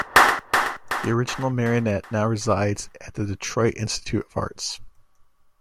The original marionette now resides at the Detroit Institute of Arts.